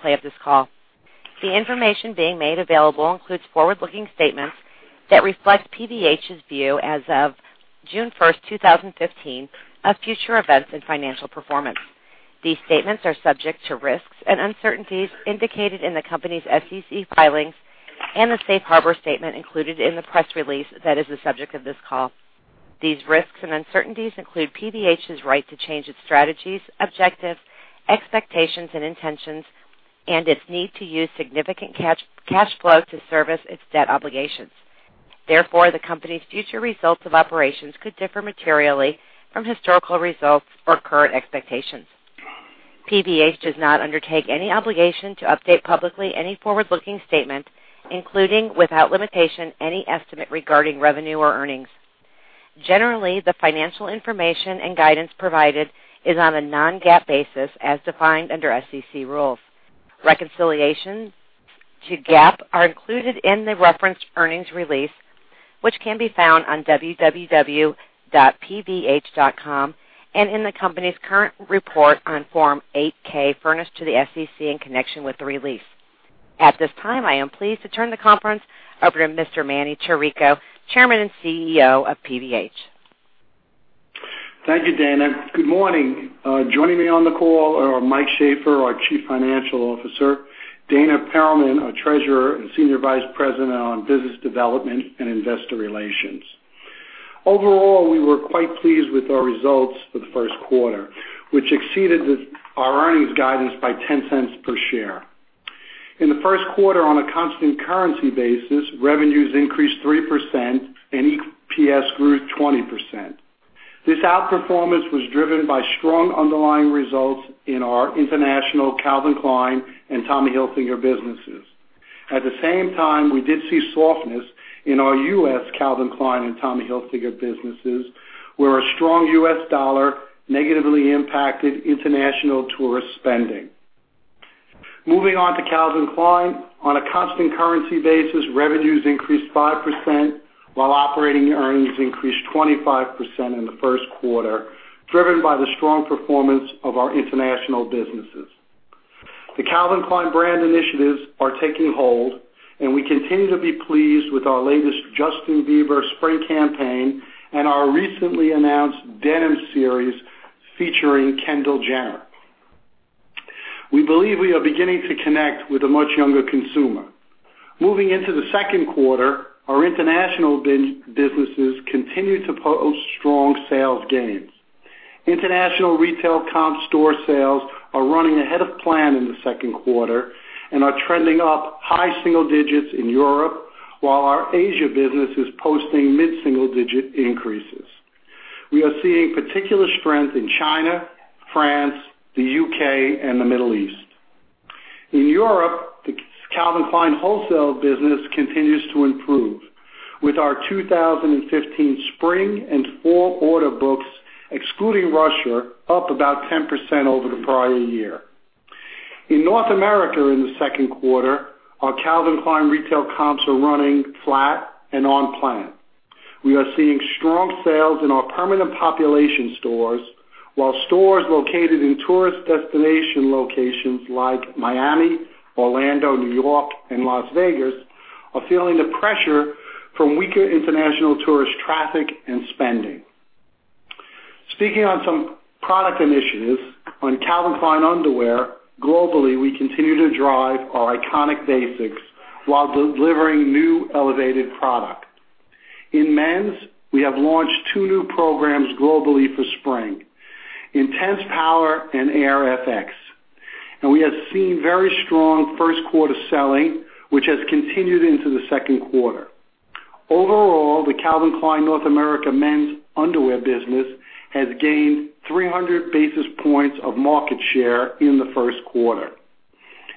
Play of this call. The information being made available includes forward-looking statements that reflect PVH's view as of June 1, 2015, of future events and financial performance. These statements are subject to risks and uncertainties indicated in the company's SEC filings and the safe harbor statement included in the press release that is the subject of this call. These risks and uncertainties include PVH's right to change its strategies, objectives, expectations and intentions, and its need to use significant cash flow to service its debt obligations. Therefore, the company's future results of operations could differ materially from historical results or current expectations. PVH does not undertake any obligation to update publicly any forward-looking statement, including, without limitation, any estimate regarding revenue or earnings. Generally, the financial information and guidance provided is on a non-GAAP basis as defined under SEC rules. Reconciliations to GAAP are included in the referenced earnings release, which can be found on www.pvh.com and in the company's current report on Form 8-K furnished to the SEC in connection with the release. At this time, I am pleased to turn the conference over to Mr. Manny Chirico, Chairman and CEO of PVH. Thank you, Dana. Good morning. Joining me on the call are Mike Shaffer, our Chief Financial Officer, Dana Perlman, our Treasurer and Senior Vice President on Business Development and Investor Relations. Overall, we were quite pleased with our results for the first quarter, which exceeded our earnings guidance by $0.10 per share. In the first quarter, on a constant currency basis, revenues increased 3% and EPS grew 20%. This outperformance was driven by strong underlying results in our international Calvin Klein and Tommy Hilfiger businesses. At the same time, we did see softness in our U.S. Calvin Klein and Tommy Hilfiger businesses, where a strong U.S. dollar negatively impacted international tourist spending. Moving on to Calvin Klein. On a constant currency basis, revenues increased 5%, while operating earnings increased 25% in the first quarter, driven by the strong performance of our international businesses. The Calvin Klein brand initiatives are taking hold. We continue to be pleased with our latest Justin Bieber spring campaign and our recently announced denim series featuring Kendall Jenner. We believe we are beginning to connect with a much younger consumer. Moving into the second quarter, our international businesses continue to post strong sales gains. International retail comp store sales are running ahead of plan in the second quarter and are trending up high single digits in Europe, while our Asia business is posting mid-single digit increases. We are seeing particular strength in China, France, the U.K. and the Middle East. In Europe, the Calvin Klein wholesale business continues to improve, with our 2015 spring and fall order books, excluding Russia, up about 10% over the prior year. In North America in the second quarter, our Calvin Klein retail comps are running flat and on plan. We are seeing strong sales in our permanent population stores, while stores located in tourist destination locations like Miami, Orlando, New York and Las Vegas are feeling the pressure from weaker international tourist traffic and spending. Speaking on some product initiatives on Calvin Klein underwear, globally, we continue to drive our iconic basics while delivering new elevated product. In men's, we have launched two new programs globally for spring: Intense Power and Air FX, and we have seen very strong first quarter selling, which has continued into the second quarter. Overall, the Calvin Klein North America men's underwear business has gained 300 basis points of market share in the first quarter.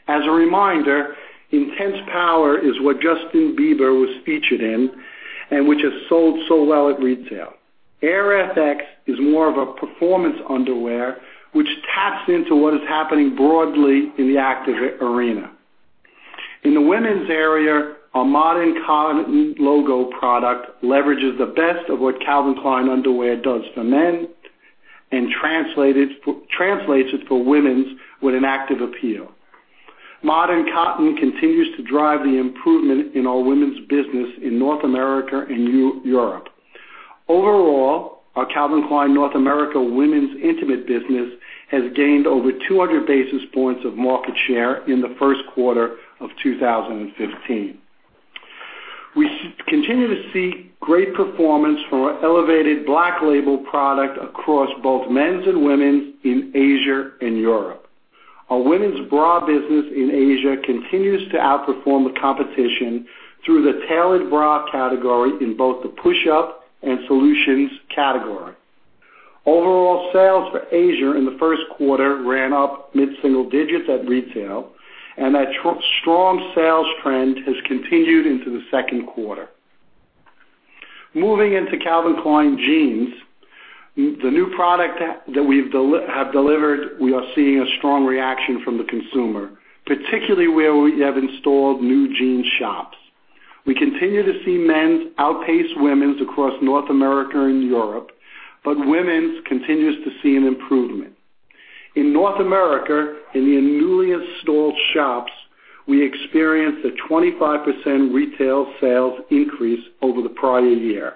As a reminder, Intense Power is what Justin Bieber was featured in and which has sold so well at retail. Air FX is more of a performance underwear, which taps into what is happening broadly in the active arena. In the women's area, our Modern Cotton logo product leverages the best of what Calvin Klein underwear does for men and translates it for women's with an active appeal. Modern Cotton continues to drive the improvement in our women's business in North America and Europe. Overall, our Calvin Klein North America women's intimate business has gained over 200 basis points of market share in the first quarter of 2015. We continue to see great performance from our elevated black label product across both men's and women's in Asia and Europe. Our women's bra business in Asia continues to outperform the competition through the tailored bra category in both the push-up and solutions category. Overall sales for Asia in the first quarter ran up mid-single digits at retail, and that strong sales trend has continued into the second quarter. Moving into Calvin Klein Jeans, the new product that we have delivered, we are seeing a strong reaction from the consumer, particularly where we have installed new jean shops. We continue to see men's outpace women's across North America and Europe, but women's continues to see an improvement. In North America, in the newly installed shops, we experienced a 25% retail sales increase over the prior year.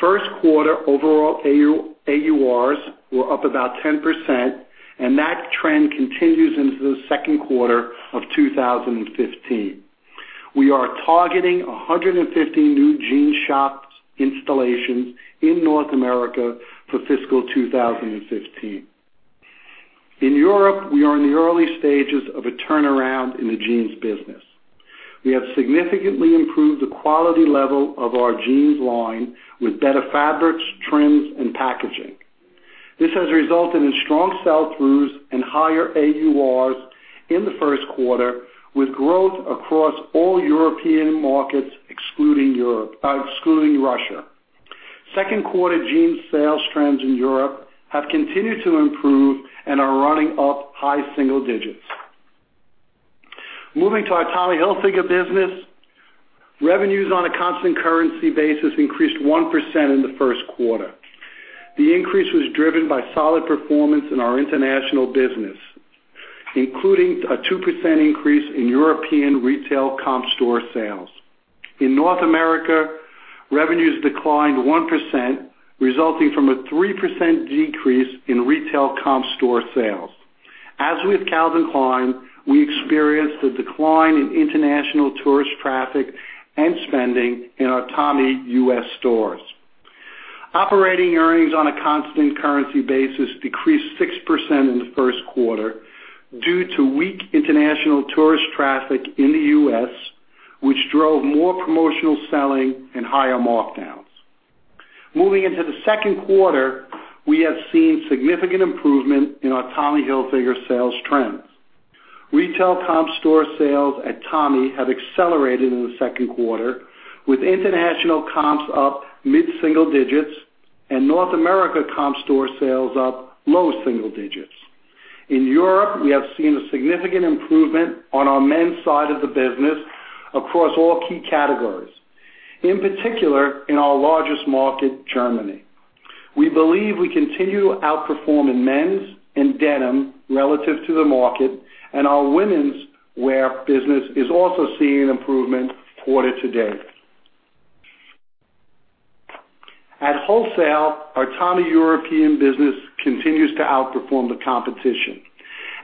First quarter overall AURs were up about 10%, and that trend continues into the second quarter of 2015. We are targeting 150 new jean shop installations in North America for fiscal 2015. In Europe, we are in the early stages of a turnaround in the jeans business. We have significantly improved the quality level of our jeans line with better fabrics, trims, and packaging. This has resulted in strong sell-throughs and higher AURs in the first quarter, with growth across all European markets, excluding Russia. Second quarter jean sales trends in Europe have continued to improve and are running up high single digits. Moving to our Tommy Hilfiger business, revenues on a constant currency basis increased 1% in the first quarter. The increase was driven by solid performance in our international business, including a 2% increase in European retail comp store sales. In North America, revenues declined 1%, resulting from a 3% decrease in retail comp store sales. As with Calvin Klein, we experienced a decline in international tourist traffic and spending in our Tommy U.S. stores. Operating earnings on a constant currency basis decreased 6% in the first quarter due to weak international tourist traffic in the U.S., which drove more promotional selling and higher markdowns. Moving into the second quarter, we have seen significant improvement in our Tommy Hilfiger sales trends. Retail comp store sales at Tommy have accelerated in the second quarter, with international comps up mid-single digits and North America comp store sales up low single digits. In Europe, we have seen a significant improvement on our men's side of the business across all key categories, in particular in our largest market, Germany. We believe we continue to outperform in men's and denim relative to the market, and our womenswear business is also seeing an improvement quarter to date. At wholesale, our Tommy European business continues to outperform the competition.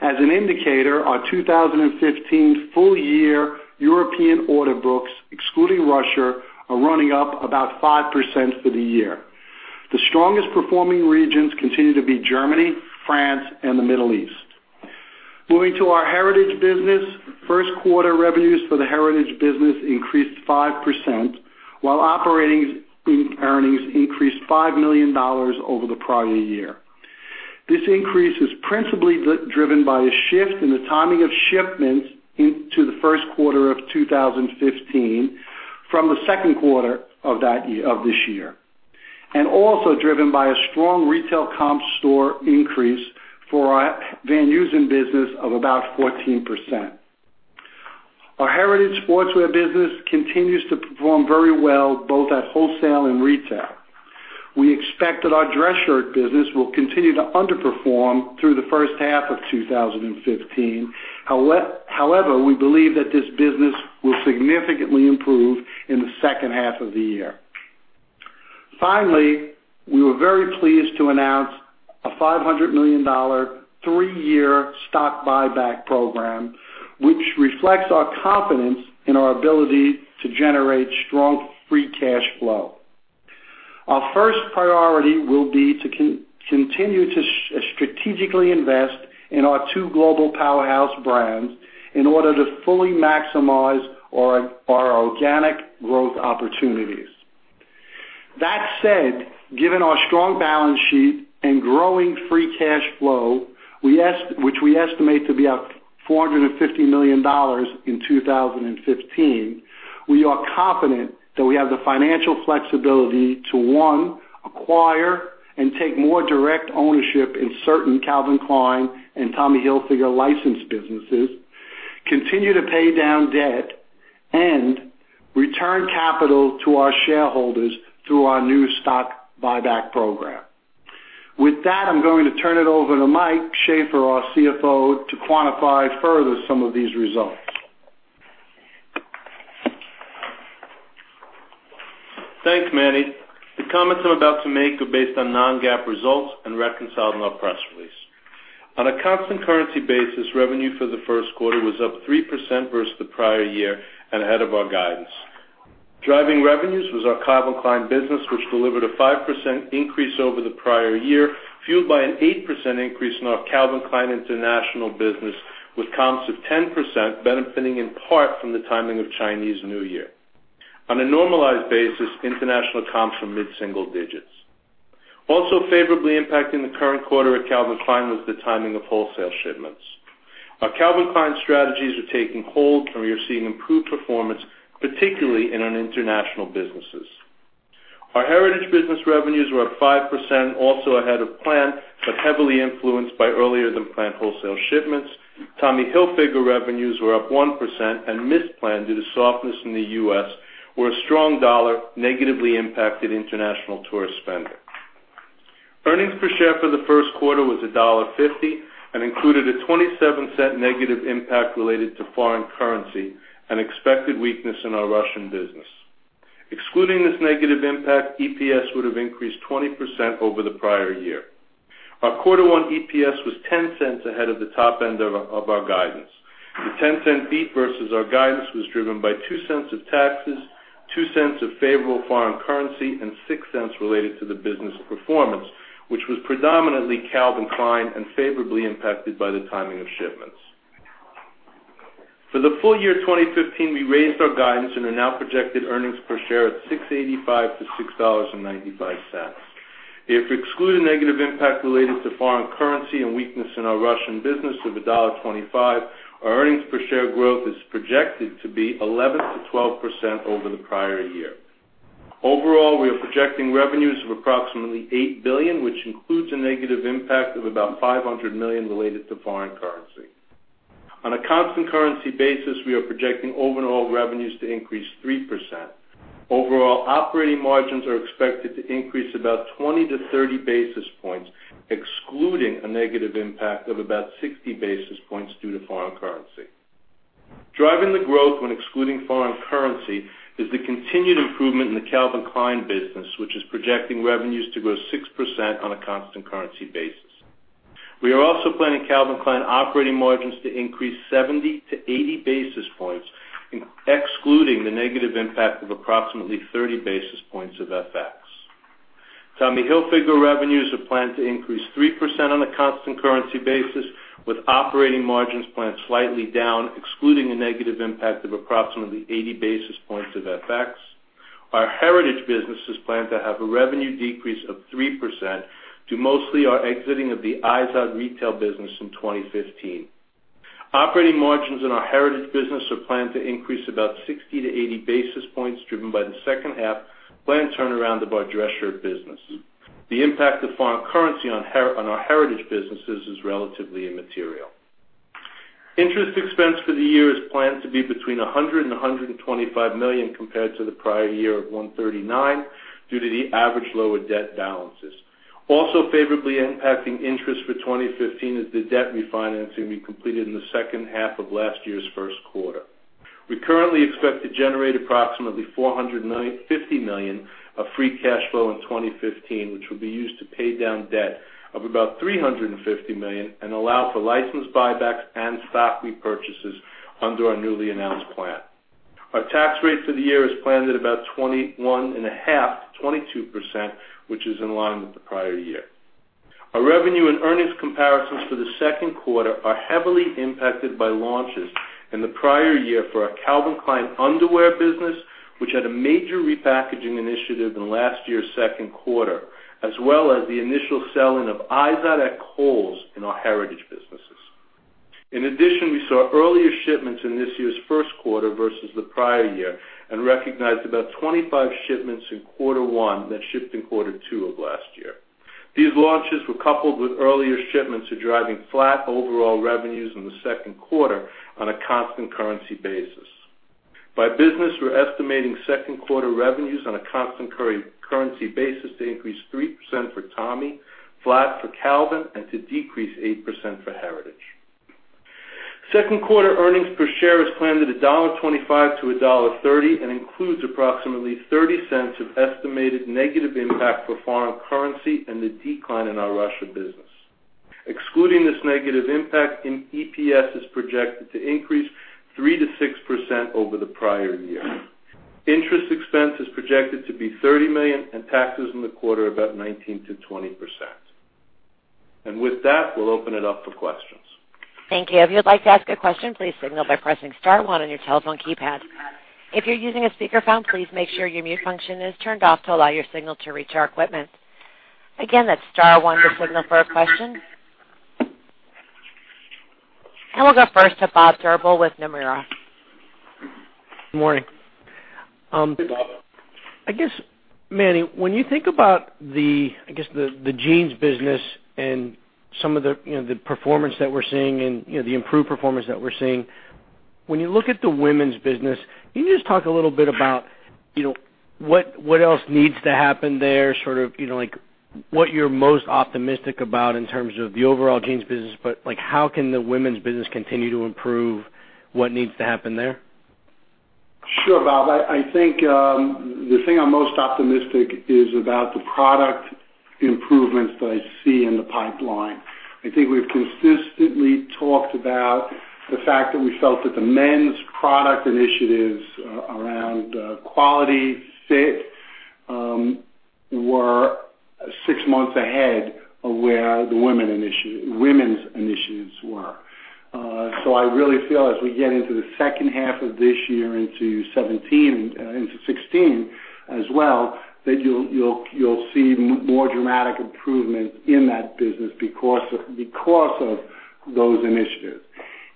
As an indicator, our 2015 full-year European order books, excluding Russia, are running up about 5% for the year. The strongest-performing regions continue to be Germany, France, and the Middle East. Moving to our Heritage business, first-quarter revenues for the Heritage business increased 5%, while operating earnings increased $5 million over the prior year. This increase was principally driven by a shift in the timing of shipments into the first quarter of 2015 from the second quarter of this year, also driven by a strong retail comp store increase for our Van Heusen business of about 14%. Our Heritage Sportswear business continues to perform very well, both at wholesale and retail. We expect that our dress shirt business will continue to underperform through the first half of 2015. We believe that this business will significantly improve in the second half of the year. We were very pleased to announce a $500 million three-year stock buyback program, which reflects our confidence in our ability to generate strong free cash flow. Our first priority will be to continue to strategically invest in our two global powerhouse brands in order to fully maximize our organic growth opportunities. That said, given our strong balance sheet and growing free cash flow, which we estimate to be up $450 million in 2015, we are confident that we have the financial flexibility to, one, acquire and take more direct ownership in certain Calvin Klein and Tommy Hilfiger licensed businesses, continue to pay down debt, and return capital to our shareholders through our new stock buyback program. With that, I'm going to turn it over to Mike Shaffer, our CFO, to quantify further some of these results. Thanks, Manny. The comments I'm about to make are based on non-GAAP results and reconciled in our press release. On a constant currency basis, revenue for the first quarter was up 3% versus the prior year ahead of our guidance. Driving revenues was our Calvin Klein business, which delivered a 5% increase over the prior year, fueled by an 8% increase in our Calvin Klein international business, with comps of 10% benefiting in part from the timing of Chinese New Year. On a normalized basis, international comps were mid-single digits. Also favorably impacting the current quarter at Calvin Klein was the timing of wholesale shipments. Our Calvin Klein strategies are taking hold, and we are seeing improved performance, particularly in our international businesses. Our Heritage business revenues were up 5%, heavily influenced by earlier than planned wholesale shipments. Tommy Hilfiger revenues were up 1% and missed plan due to softness in the U.S., where a strong dollar negatively impacted international tourist spending. Earnings per share for the first quarter was $1.50 and included a $0.27 negative impact related to foreign currency and expected weakness in our Russian business. Excluding this negative impact, EPS would have increased 20% over the prior year. Our quarter one EPS was $0.10 ahead of the top end of our guidance. The $0.10 beat versus our guidance was driven by $0.02 of taxes, $0.02 of favorable foreign currency, and $0.06 related to the business performance, which was predominantly Calvin Klein and favorably impacted by the timing of shipments. For the full year 2015, we raised our guidance and are now projected earnings per share at $6.85-$6.95. If we exclude a negative impact related to foreign currency and weakness in our Russian business of $1.25, our earnings per share growth is projected to be 11%-12% over the prior year. Overall, we are projecting revenues of approximately $8 billion, which includes a negative impact of about $500 million related to foreign currency. On a constant currency basis, we are projecting overall revenues to increase 3%. Overall operating margins are expected to increase about 20-30 basis points, excluding a negative impact of about 60 basis points due to foreign currency. Driving the growth when excluding foreign currency is the continued improvement in the Calvin Klein business, which is projecting revenues to grow 6% on a constant currency basis. We are also planning Calvin Klein operating margins to increase 70-80 basis points, excluding the negative impact of approximately 30 basis points of FX. Tommy Hilfiger revenues are planned to increase 3% on a constant currency basis, with operating margins planned slightly down, excluding a negative impact of approximately 80 basis points of FX. Our Heritage Brands business is planned to have a revenue decrease of 3% to mostly our exiting of the Izod retail business in 2015. Operating margins in our Heritage Brands business are planned to increase about 60-80 basis points, driven by the second half planned turnaround of our dress shirt business. The impact of foreign currency on our Heritage Brands businesses is relatively immaterial. Interest expense for the year is planned to be between $100 million and $125 million compared to the prior year of $139 million due to the average lower debt balances. Also favorably impacting interest for 2015 is the debt refinancing we completed in the second half of last year's first quarter. We currently expect to generate approximately $450 million of free cash flow in 2015, which will be used to pay down debt of about $350 million and allow for license buybacks and stock repurchases under our newly announced plan. Our tax rate for the year is planned at about 21.5%-22%, which is in line with the prior year. Our revenue and earnings comparisons for the second quarter are heavily impacted by launches in the prior year for our Calvin Klein underwear business, which had a major repackaging initiative in last year's second quarter, as well as the initial selling of Izod at Kohl's in our Heritage Brands businesses. In addition, we saw earlier shipments in this year's first quarter versus the prior year and recognized about 25 shipments in quarter one that shipped in quarter two of last year. These launches were coupled with earlier shipments are driving flat overall revenues in the second quarter on a constant currency basis. By business, we're estimating second quarter revenues on a constant currency basis to increase 3% for Tommy, flat for Calvin, and to decrease 8% for Heritage. Second quarter earnings per share is planned at $1.25 to $1.30 and includes approximately $0.30 of estimated negative impact for foreign currency and the decline in our Russia business. Excluding this negative impact in EPS is projected to increase 3% to 6% over the prior year. Interest expense is projected to be $30 million and taxes in the quarter about 19% to 20%. With that, we'll open it up for questions. Thank you. If you'd like to ask a question, please signal by pressing *1 on your telephone keypad. If you're using a speakerphone, please make sure your mute function is turned off to allow your signal to reach our equipment. Again, that's *1 to signal for a question. We'll go first to Bob Drbul with Nomura. Good morning. Good morning, Bob. I guess, Manny, when you think about the jeans business and some of the improved performance that we're seeing, when you look at the women's business, can you just talk a little bit about what else needs to happen there, what you're most optimistic about in terms of the overall jeans business? How can the women's business continue to improve? What needs to happen there? Sure, Bob. I think the thing I'm most optimistic is about the product improvements that I see in the pipeline. I think we've consistently talked about the fact that we felt that the men's product initiatives around quality, fit were six months ahead of where the women's initiatives were. I really feel as we get into the second half of this year into 2017 and into 2016 as well, that you'll see more dramatic improvement in that business because of those initiatives.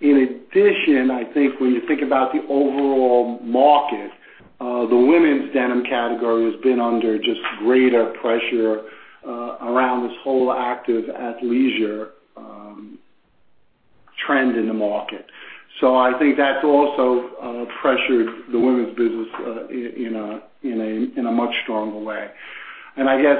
In addition, I think when you think about the overall market, the women's denim category has been under just greater pressure around this whole active athleisure trend in the market. I think that's also pressured the women's business in a much stronger way. I guess,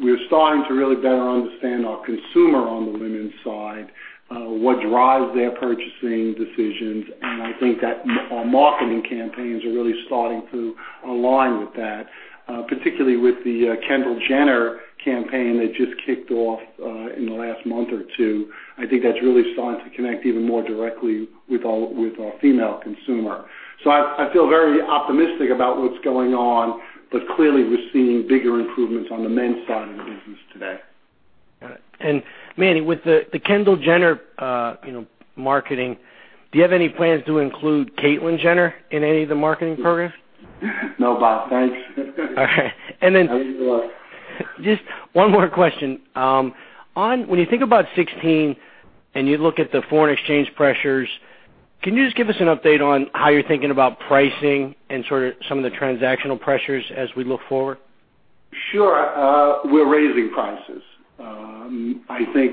we're starting to really better understand our consumer on the women's side, what drives their purchasing decisions. I think that our marketing campaigns are really starting to align with that, particularly with the Kendall Jenner campaign that just kicked off in the last month or two. I think that's really starting to connect even more directly with our female consumer. I feel very optimistic about what's going on, clearly we're seeing bigger improvements on the men's side of the business today. Got it. Manny, with the Kendall Jenner marketing, do you have any plans to include Caitlyn Jenner in any of the marketing programs? No, Bob, thanks. All right. I'll leave it alone. Just one more question. When you think about 2016, and you look at the foreign exchange pressures, can you just give us an update on how you're thinking about pricing and sort of some of the transactional pressures as we look forward? Sure. We are raising prices.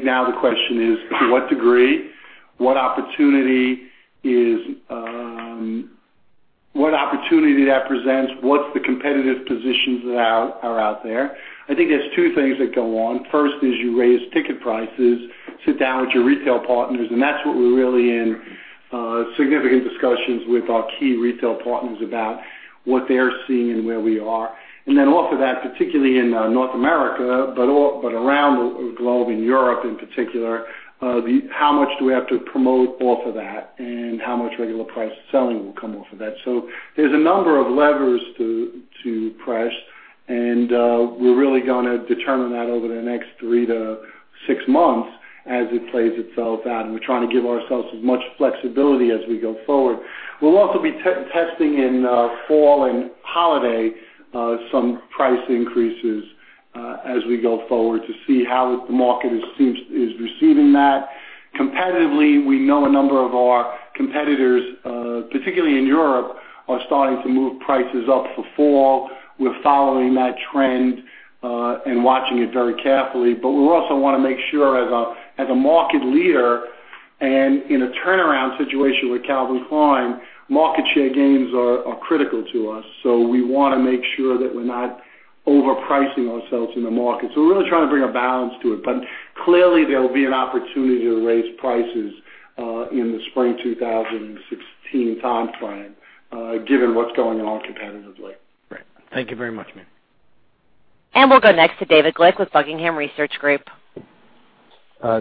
Now the question is, to what degree? What opportunity that presents, what are the competitive positions that are out there? There are two things that go on. First is you raise ticket prices, sit down with your retail partners. That is what we are really in significant discussions with our key retail partners about what they are seeing and where we are. Off of that, particularly in North America, but around the globe, in Europe in particular, how much do we have to promote off of that, and how much regular price selling will come off of that? There are a number of levers to press, and we are really going to determine that over the next three to six months as it plays itself out. We are trying to give ourselves as much flexibility as we go forward. We will also be testing in fall and holiday some price increases as we go forward to see how the market is receiving that. Competitively, we know a number of our competitors, particularly in Europe, are starting to move prices up for fall. We are following that trend, and watching it very carefully. We also want to make sure, as a market leader and in a turnaround situation with Calvin Klein, market share gains are critical to us. We want to make sure that we are not overpricing ourselves in the market. We are really trying to bring a balance to it. Clearly, there will be an opportunity to raise prices, in the spring 2016 timeframe, given what is going on competitively. Great. Thank you very much, Manny. We will go next to David Glick with Buckingham Research Group.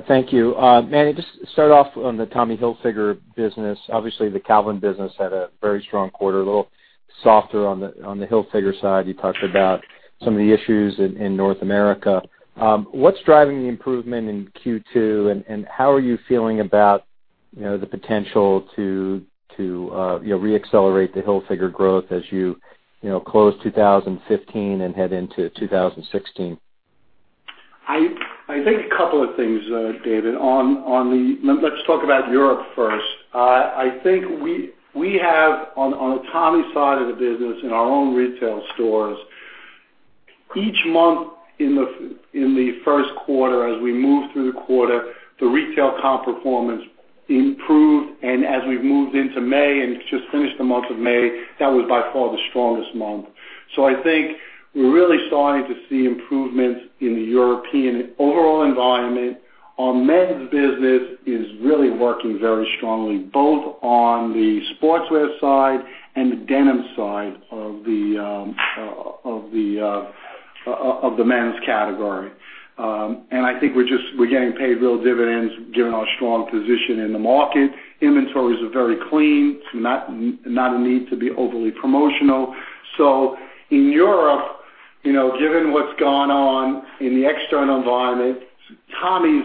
Thank you. Manny, just to start off on the Tommy Hilfiger business. Obviously, the Calvin business had a very strong quarter, a little softer on the Hilfiger side. You talked about some of the issues in North America. What's driving the improvement in Q2, and how are you feeling about the potential to re-accelerate the Hilfiger growth as you close 2015 and head into 2016? I think a couple of things, David. Let's talk about Europe first. I think we have, on the Tommy side of the business, in our own retail stores, each month in the first quarter as we moved through the quarter, the retail comp performance improved. As we've moved into May and just finished the month of May, that was by far the strongest month. I think we're really starting to see improvements in the European overall environment. Our men's business is really working very strongly, both on the sportswear side and the denim side of the men's category. I think we're getting paid real dividends given our strong position in the market. Inventories are very clean, not a need to be overly promotional. In Europe, given what's gone on in the external environment, Tommy's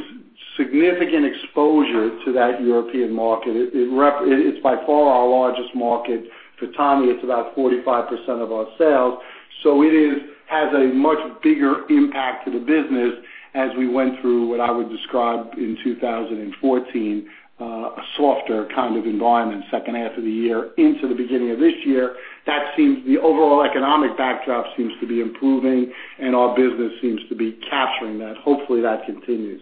significant exposure to that European market, it's by far our largest market. For Tommy, it's about 45% of our sales. It has a much bigger impact to the business as we went through what I would describe in 2014, a softer kind of environment, second half of the year into the beginning of this year. The overall economic backdrop seems to be improving, and our business seems to be capturing that. Hopefully, that continues.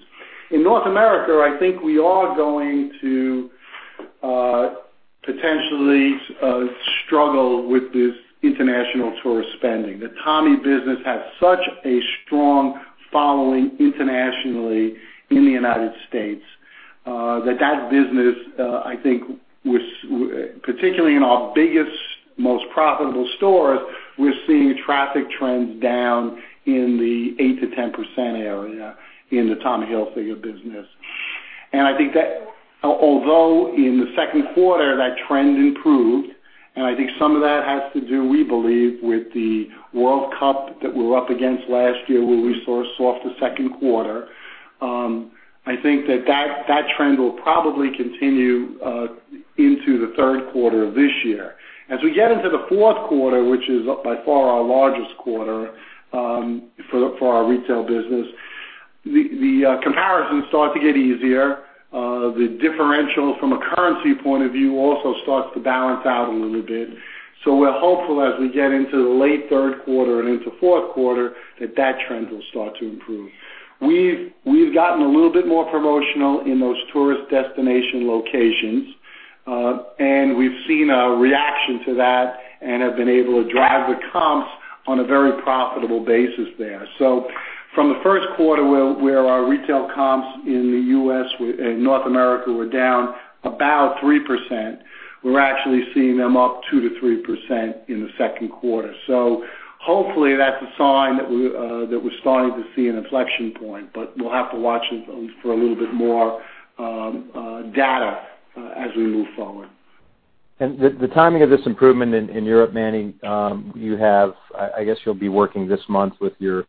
In North America, I think we are going to potentially struggle with this international tourist spending. The Tommy business has such a strong following internationally in the U.S., that that business, I think, particularly in our biggest, most profitable stores, we're seeing traffic trends down in the 8%-10% area in the Tommy Hilfiger business. I think that although in the second quarter that trend improved, and I think some of that has to do, we believe, with the World Cup that we were up against last year, where we saw a softer second quarter. I think that trend will probably continue into the third quarter of this year. As we get into the fourth quarter, which is by far our largest quarter for our retail business. The comparisons start to get easier. The differential from a currency point of view also starts to balance out a little bit. We're hopeful as we get into the late third quarter and into fourth quarter, that that trend will start to improve. We've gotten a little bit more promotional in those tourist destination locations. We've seen a reaction to that and have been able to drive the comps on a very profitable basis there. From the first quarter, where our retail comps in North America were down about 3%, we're actually seeing them up 2%-3% in the second quarter. Hopefully, that's a sign that we're starting to see an inflection point, but we'll have to watch for a little bit more data as we move forward. The timing of this improvement in Europe, Manny, I guess you'll be working this month with your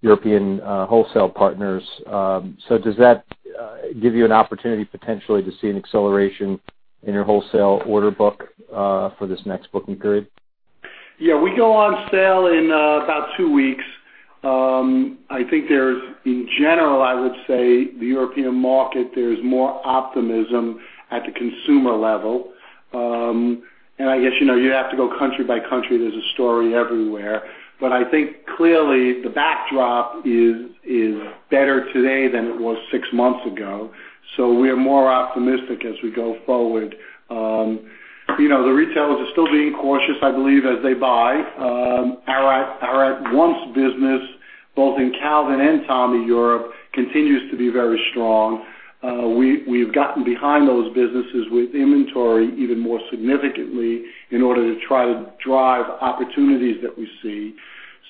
European wholesale partners. Does that give you an opportunity potentially to see an acceleration in your wholesale order book for this next booking period? We go on sale in about two weeks. I think there's, in general, I would say, the European market, there's more optimism at the consumer level. I guess, you have to go country by country. There's a story everywhere. But I think clearly the backdrop is better today than it was six months ago. We are more optimistic as we go forward. The retailers are still being cautious, I believe, as they buy. Our at once business, both in Calvin and Tommy Europe, continues to be very strong. We've gotten behind those businesses with inventory even more significantly in order to try to drive opportunities that we see.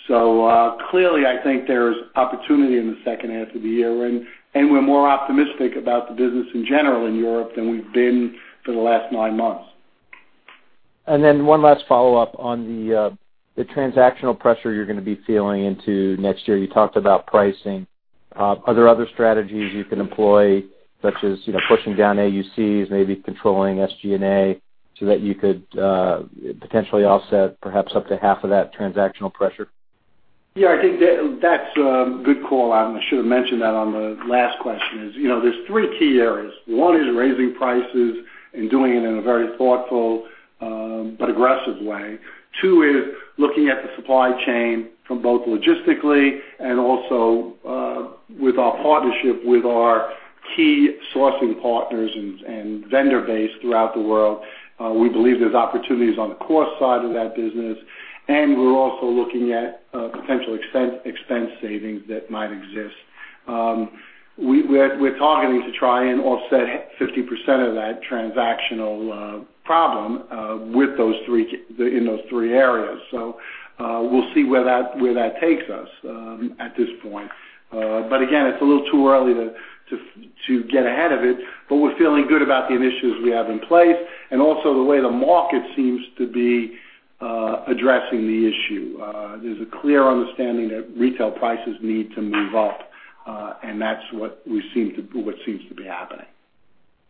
Clearly, I think there's opportunity in the second half of the year, and we're more optimistic about the business in general in Europe than we've been for the last nine months. One last follow-up on the transactional pressure you're going to be feeling into next year. You talked about pricing. Are there other strategies you can employ, such as pushing down AUC, maybe controlling SGA, that you could potentially offset perhaps up to half of that transactional pressure? Yeah, I think that's a good call. I should have mentioned that on the last question. There's three key areas. One is raising prices and doing it in a very thoughtful but aggressive way. Two is looking at the supply chain from both logistically and also with our partnership with our key sourcing partners and vendor base throughout the world. We believe there's opportunities on the cost side of that business, and we're also looking at potential expense savings that might exist. We're targeting to try and offset 50% of that transactional problem in those three areas. We'll see where that takes us at this point. Again, it's a little too early to get ahead of it, but we're feeling good about the initiatives we have in place and also the way the market seems to be addressing the issue. There's a clear understanding that retail prices need to move up, and that's what seems to be happening.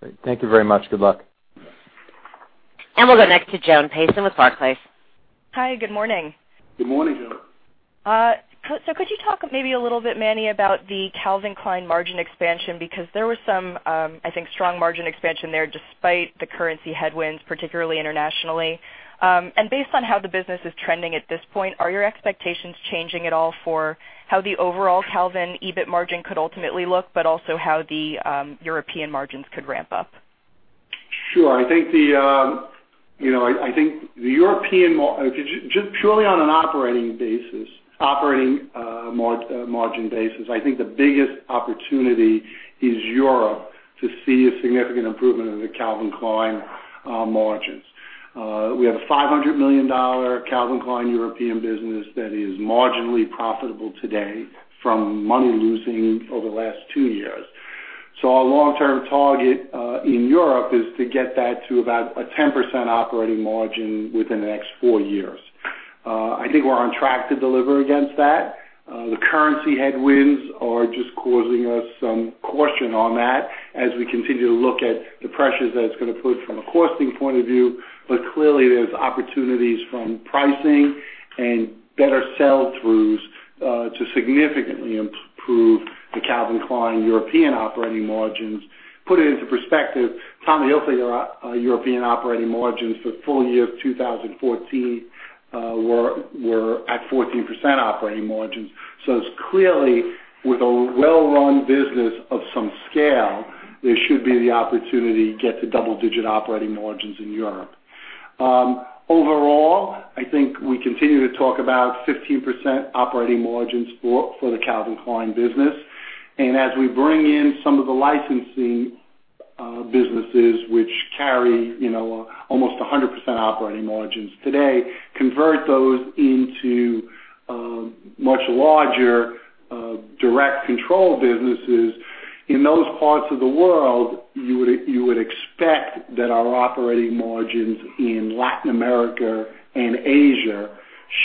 Great. Thank you very much. Good luck. We'll go next to Joan Payson with Barclays. Hi, good morning. Good morning, Joan. Could you talk maybe a little bit, Manny, about the Calvin Klein margin expansion? Because there was some, I think, strong margin expansion there despite the currency headwinds, particularly internationally. Based on how the business is trending at this point, are your expectations changing at all for how the overall Calvin EBIT margin could ultimately look, but also how the European margins could ramp up? Sure. I think purely on an operating margin basis, I think the biggest opportunity is Europe to see a significant improvement in the Calvin Klein margins. We have a $500 million Calvin Klein European business that is marginally profitable today from money losing over the last two years. Our long-term target in Europe is to get that to about a 10% operating margin within the next four years. I think we're on track to deliver against that. The currency headwinds are just causing us some caution on that as we continue to look at the pressures that it's going to put from a costing point of view. Clearly, there's opportunities from pricing and better sell-throughs to significantly improve the Calvin Klein European operating margins. Put it into perspective, Tommy Hilfiger European operating margins for full year 2014 were at 14% operating margins. It's clearly with a well-run business of some scale, there should be the opportunity to get to double-digit operating margins in Europe. Overall, I think we continue to talk about 15% operating margins for the Calvin Klein business. As we bring in some of the licensing businesses, which carry almost 100% operating margins today, convert those into much larger direct control businesses. In those parts of the world, you would expect that our operating margins in Latin America and Asia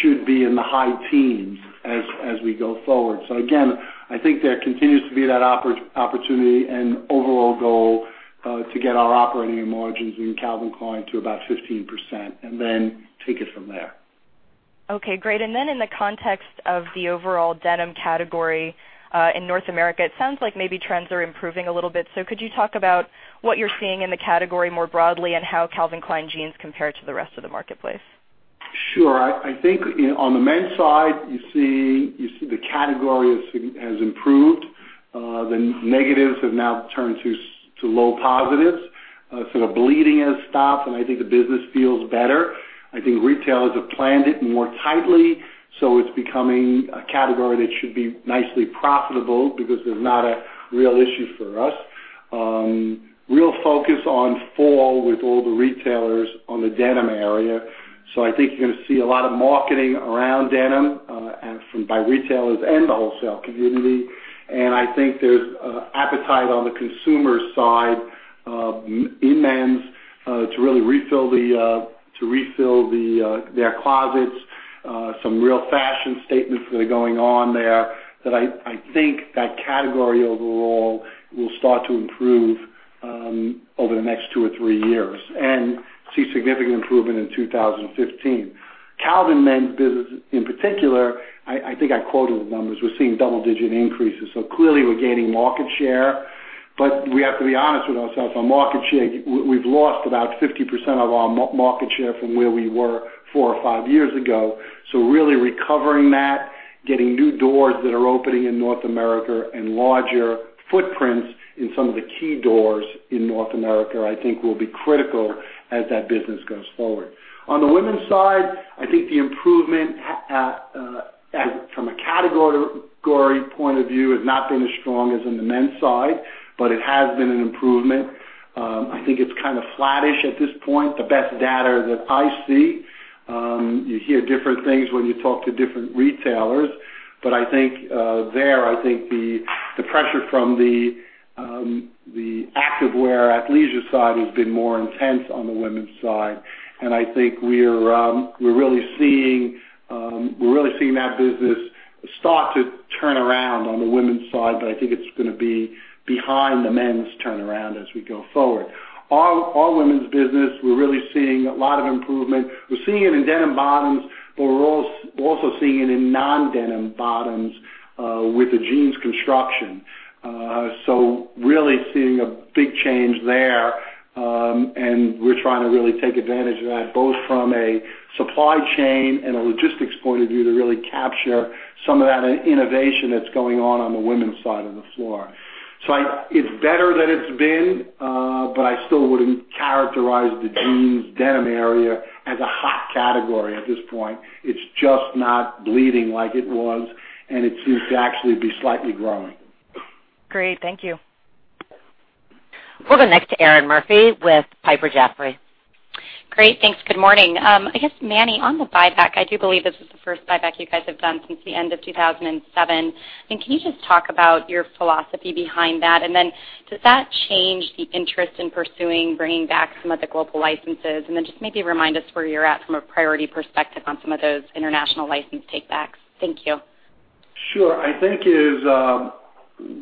should be in the high teens as we go forward. Again, I think there continues to be that opportunity and overall goal to get our operating margins in Calvin Klein to about 15% and then take it from there. Okay, great. In the context of the overall denim category, in North America, it sounds like maybe trends are improving a little bit. Could you talk about what you're seeing in the category more broadly and how Calvin Klein Jeans compare to the rest of the marketplace? Sure. I think on the men's side, you see the category has improved. The negatives have now turned to low positives. Bleeding has stopped, and I think the business feels better. I think retailers have planned it more tightly, so it's becoming a category that should be nicely profitable because there's not a real issue for us. Real focus on fall with all the retailers on the denim area. I think you're going to see a lot of marketing around denim by retailers and the wholesale community. I think there's appetite on the consumer side in men's to really refill their closets. Some real fashion statements that are going on there that I think that category overall will start to improve over the next two or three years and see significant improvement in 2015. Calvin men's business in particular, I think I quoted the numbers. We're seeing double-digit increases, so clearly we're gaining market share. But we have to be honest with ourselves. On market share, we've lost about 50% of our market share from where we were four or five years ago. Really recovering that, getting new doors that are opening in North America and larger footprints in some of the key doors in North America, I think will be critical as that business goes forward. On the women's side, I think the improvement from a category point of view has not been as strong as in the men's side, but it has been an improvement. I think it's kind of flattish at this point. The best data that I see. You hear different things when you talk to different retailers. But I think there, I think the pressure from the activewear athleisure side has been more intense on the women's side. I think we're really seeing that business start to turn around on the women's side, but I think it's going to be behind the men's turnaround as we go forward. Our women's business, we're really seeing a lot of improvement. We're seeing it in denim bottoms, but we're also seeing it in non-denim bottoms with a jeans construction. Really seeing a big change there. We're trying to really take advantage of that, both from a supply chain and a logistics point of view, to really capture some of that innovation that's going on on the women's side of the floor. It's better than it's been. I still wouldn't characterize the jeans denim area as a hot category at this point. It's just not bleeding like it was, and it seems to actually be slightly growing. Great. Thank you. We'll go next to Erinn Murphy with Piper Jaffray. Great. Thanks. Good morning. I guess, Manny, on the buyback, I do believe this is the first buyback you guys have done since the end of 2007. Can you just talk about your philosophy behind that? Does that change the interest in pursuing bringing back some of the global licenses? Just maybe remind us where you're at from a priority perspective on some of those international license take backs. Thank you. Sure. I think it is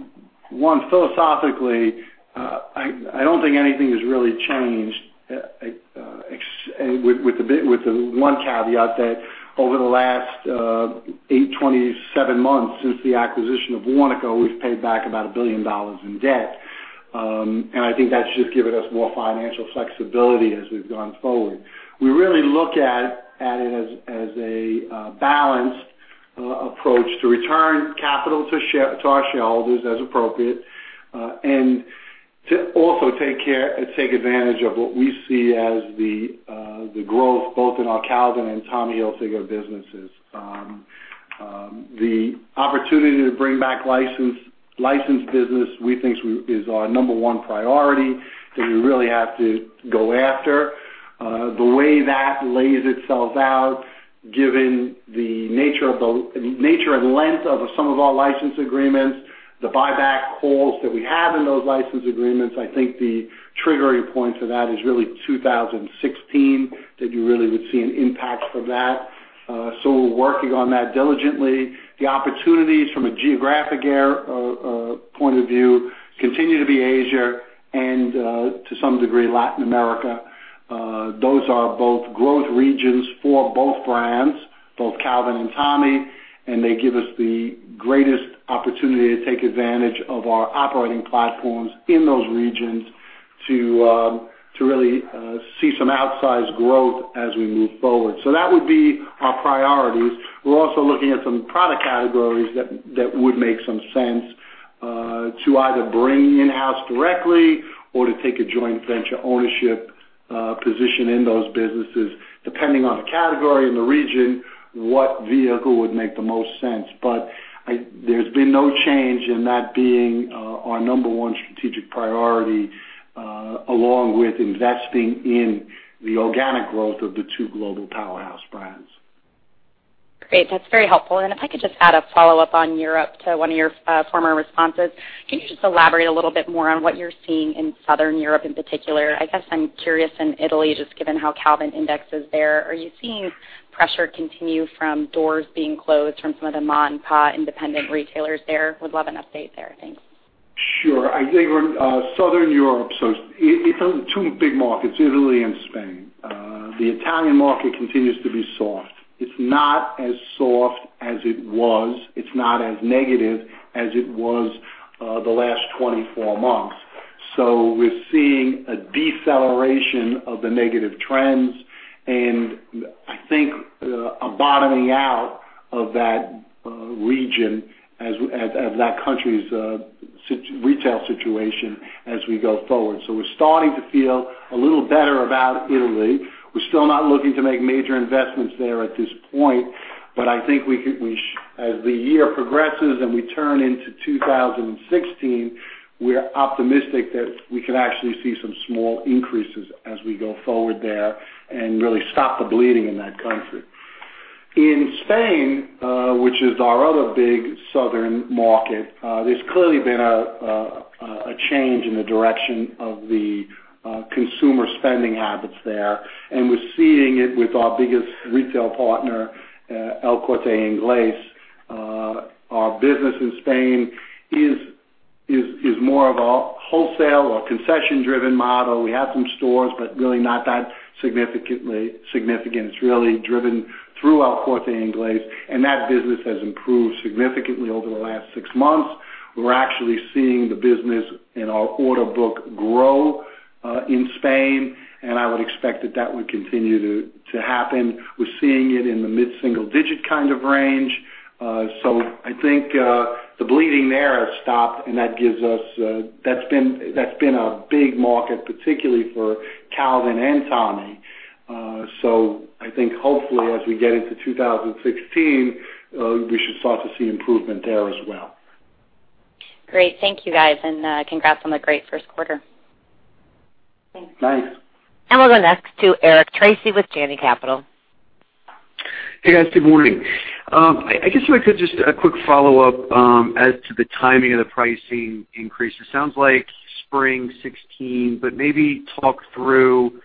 one, philosophically, I don't think anything has really changed, with the one caveat that over the last 27 months since the acquisition of Warnaco, we've paid back about $1 billion in debt. I think that's just given us more financial flexibility as we've gone forward. We really look at it as a balanced approach to return capital to our shareholders as appropriate, and to also take advantage of what we see as the growth both in our Calvin Klein and Tommy Hilfiger businesses. The opportunity to bring back licensed business we think is our number one priority that we really have to go after. The way that lays itself out, given the nature and length of some of our license agreements, the buyback calls that we have in those license agreements, I think the triggering point for that is really 2016, that you really would see an impact from that. We're working on that diligently. The opportunities from a geographic point of view continue to be Asia and to some degree, Latin America. Those are both growth regions for both brands, both Calvin Klein and Tommy Hilfiger, and they give us the greatest opportunity to take advantage of our operating platforms in those regions to really see some outsized growth as we move forward. That would be our priorities. We're also looking at some product categories that would make some sense to either bring in-house directly or to take a joint venture ownership position in those businesses, depending on the category and the region, what vehicle would make the most sense. There's been no change in that being our number one strategic priority, along with investing in the organic growth of the two global powerhouse brands. Great. That's very helpful. If I could just add a follow-up on Europe to one of your former responses. Can you just elaborate a little bit more on what you're seeing in Southern Europe in particular? I guess I'm curious in Italy, just given how Calvin Klein index is there. Are you seeing pressure continue from doors being closed from some of the mom-and-pop independent retailers there? Would love an update there. Thanks. Sure. I think we're in Southern Europe. It's two big markets, Italy and Spain. The Italian market continues to be soft. It's not as soft as it was. It's not as negative as it was the last 24 months. We're seeing a deceleration of the negative trends, and I think, a bottoming out of that region as that country's retail situation, as we go forward. We're starting to feel a little better about Italy. We're still not looking to make major investments there at this point. I think as the year progresses and we turn into 2016, we're optimistic that we could actually see some small increases as we go forward there and really stop the bleeding in that country. In Spain, which is our other big southern market, there's clearly been a change in the direction of the consumer spending habits there, and we're seeing it with our biggest retail partner, El Corte Inglés. Our business in Spain is more of a wholesale or concession-driven model. We have some stores, but really not that significant. It's really driven through El Corte Inglés, and that business has improved significantly over the last six months. We're actually seeing the business in our order book grow in Spain, and I would expect that that would continue to happen. We're seeing it in the mid-single digit range. I think the bleeding there has stopped, and that's been a big market, particularly for Calvin and Tommy. I think hopefully as we get into 2016, we should start to see improvement there as well. Great. Thank you, guys, and congrats on the great first quarter. Thanks. We'll go next to Eric Tracy with Janney Capital. Hey, guys. Good morning. I guess if I could, just a quick follow-up as to the timing of the pricing increase. It sounds like spring 2016. Maybe talk through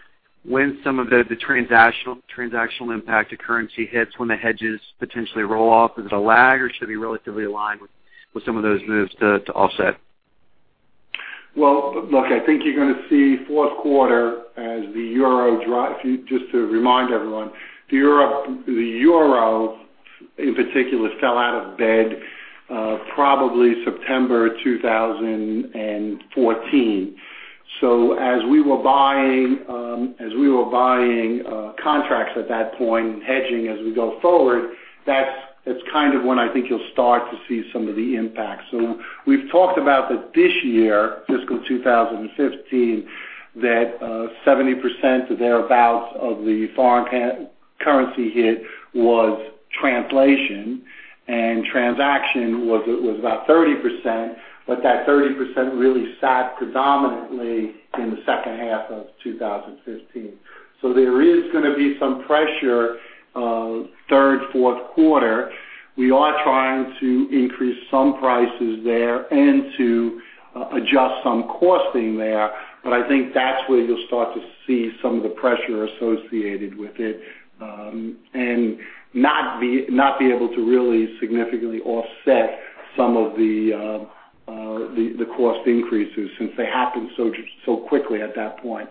when some of the transactional impact of currency hits when the hedges potentially roll off. Is it a lag, or should it be relatively aligned with some of those moves to offset? Well, look, I think you're going to see fourth quarter as the EUR. Just to remind everyone, the EUR in particular fell out of bed probably September 2014. As we were buying contracts at that point and hedging as we go forward, that's when I think you'll start to see some of the impact. We've talked about that this year, fiscal 2015, that 70% to thereabouts of the foreign currency hit was translation, and transaction was about 30%, but that 30% really sat predominantly in the second half of 2015. There is going to be some pressure, third, fourth quarter. We are trying to increase some prices there and to adjust some costing there. I think that's where you'll start to see some of the pressure associated with it, and not be able to really significantly offset some of the cost increases since they happened so quickly at that point.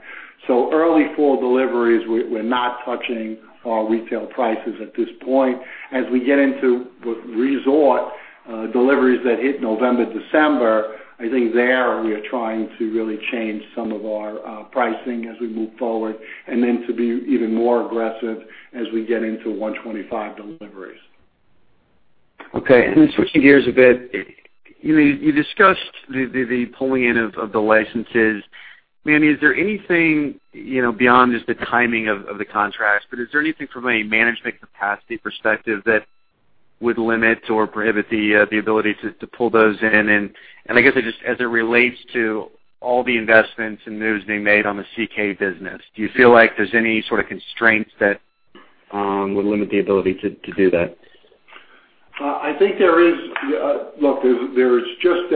Early fall deliveries, we're not touching our retail prices at this point. As we get into resort deliveries that hit November, December, I think there we are trying to really change some of our pricing as we move forward, and then to be even more aggressive as we get into 125 deliveries. Okay. Switching gears a bit. You discussed the pulling in of the licenses. Manny, is there anything beyond just the timing of the contracts, but is there anything from a management capacity perspective that would limit or prohibit the ability to pull those in? I guess as it relates to all the investments and moves being made on the CK business, do you feel like there's any sort of constraints that would limit the ability to do that? Look, there's just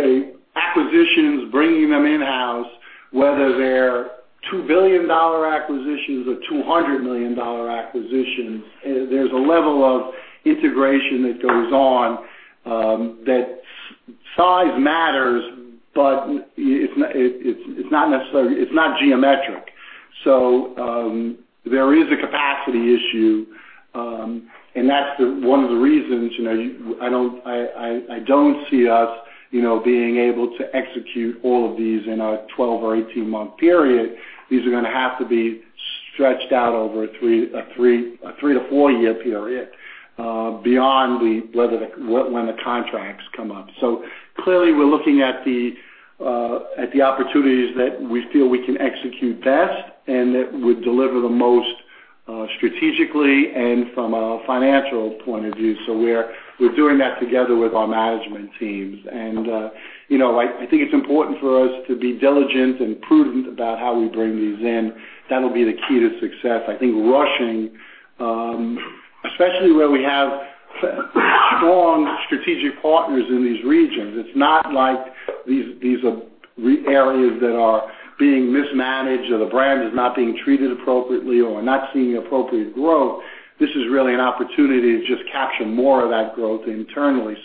acquisitions, bringing them in-house, whether they're $2 billion acquisitions or $200 million acquisitions. There's a level of integration that goes on that size matters, but it's not geometric. There is a capacity issue, and that's one of the reasons I don't see us being able to execute all of these in a 12 or 18-month period. These are going to have to be stretched out over a three to four-year period, beyond when the contracts come up. Clearly, we're looking at the opportunities that we feel we can execute best and that would deliver the most strategically and from a financial point of view. We're doing that together with our management teams. I think it's important for us to be diligent and prudent about how we bring these in. That'll be the key to success. I think rushing, especially where we have strong strategic partners in these regions. It's not like these are areas that are being mismanaged, or the brand is not being treated appropriately or not seeing appropriate growth. This is really an opportunity to just capture more of that growth internally.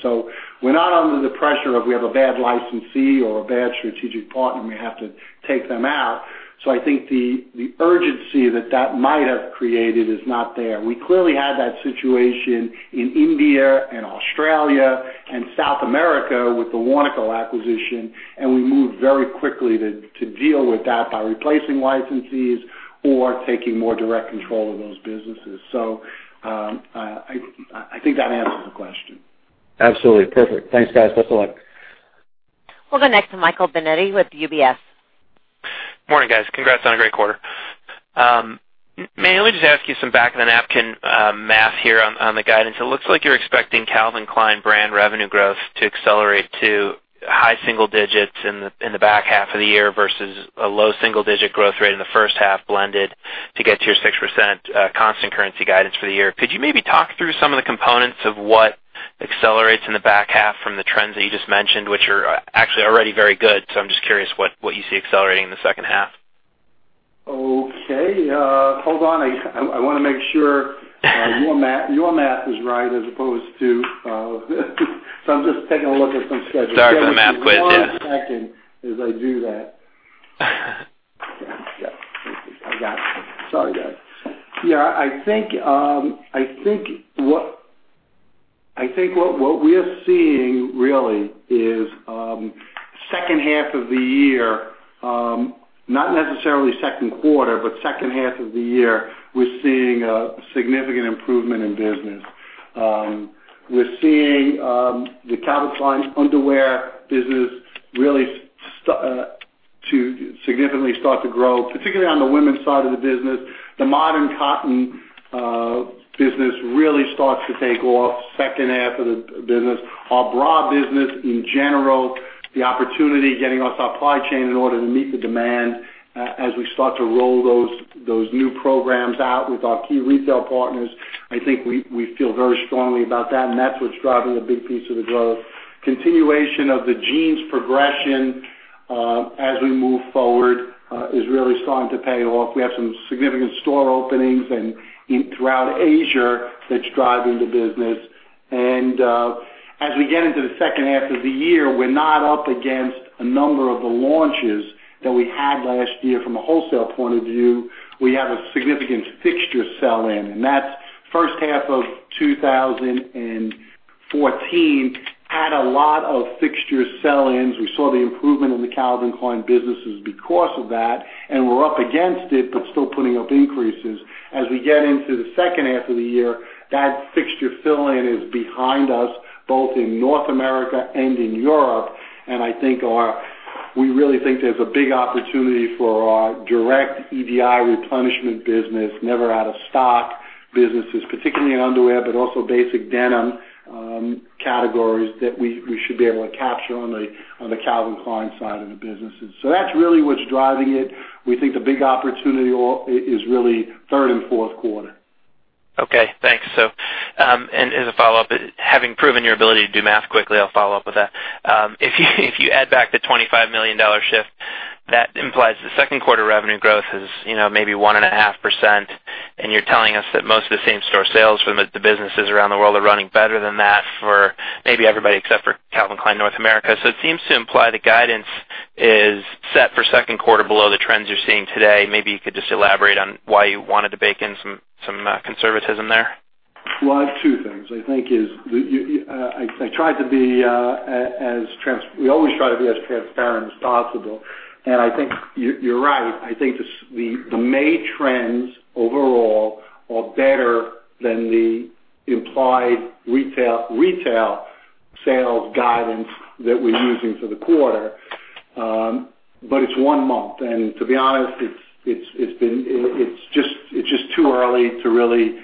We're not under the pressure of we have a bad licensee or a bad strategic partner, and we have to take them out. I think the urgency that that might have created is not there. We clearly had that situation in India and Australia and South America with the Warnaco acquisition, and we moved very quickly to deal with that by replacing licensees or taking more direct control of those businesses. I think that answers the question. Absolutely. Perfect. Thanks, guys. Best of luck. We'll go next to Michael Binetti with UBS. Morning, guys. Congrats on a great quarter. Manny, let me just ask you some back-of-the-napkin math here on the guidance. It looks like you're expecting Calvin Klein brand revenue growth to accelerate to high single digits in the back half of the year versus a low single-digit growth rate in the first half blended to get to your 6% constant currency guidance for the year. Could you maybe talk through some of the components of what accelerates in the back half from the trends that you just mentioned, which are actually already very good? I'm just curious what you see accelerating in the second half. Okay. Hold on. I want to make sure your math is right as opposed to I'm just taking a look at some schedules. Sorry for the math quiz, yeah. Give me one second as I do that. I got it. Sorry, guys. I think what we are seeing really is second half of the year, not necessarily second quarter, but second half of the year, we're seeing a significant improvement in business. We're seeing the Calvin Klein underwear business really to significantly start to grow, particularly on the women's side of the business. The Modern Cotton business really starts to take off second half of the business. Our bra business in general, the opportunity, getting us our supply chain in order to meet the demand as we start to roll those new programs out with our key retail partners. I think we feel very strongly about that, and that's what's driving a big piece of the growth. Continuation of the jeans progression as we move forward is really starting to pay off. We have some significant store openings throughout Asia that's driving the business. As we get into the second half of the year, we're not up against a number of the launches that we had last year from a wholesale point of view. We have a significant fixture sell-in. That's first half of 2014 had a lot of fixture sell-ins. We saw the improvement in the Calvin Klein businesses because of that, and we're up against it, but still putting up increases. As we get into the second half of the year, that fixture fill-in is behind us, both in North America and in Europe. I think we really think there's a big opportunity for our direct EDI replenishment business. Never out of stock businesses, particularly in underwear, but also basic denim categories that we should be able to capture on the Calvin Klein side of the businesses. That's really what's driving it. We think the big opportunity is really third and fourth quarter. Okay, thanks. As a follow-up, having proven your ability to do math quickly, I'll follow up with that. If you add back the $25 million shift, that implies the second quarter revenue growth is maybe 1.5%, and you're telling us that most of the same store sales from the businesses around the world are running better than that for maybe everybody except for Calvin Klein North America. It seems to imply the guidance is set for second quarter below the trends you're seeing today. Maybe you could just elaborate on why you wanted to bake in some conservatism there. Well, two things. We always try to be as transparent as possible, I think you're right. I think the main trends overall are better than the implied retail sales guidance that we're using for the quarter. It's one month, to be honest, it's just too early to really